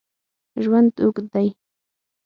ژوند اوږد دی